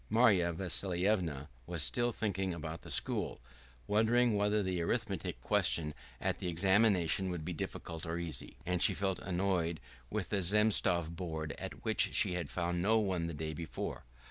Marya Vassilyevna was still thinking about the school, wondering whether the arithmetic questions at the examination would be difficult or easy. And she felt annoyed with the Zemstvo board at which she had found no one the day before.